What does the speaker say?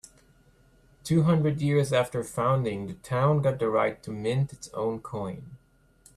Two hundred years after founding, the town got the right to mint its own coin.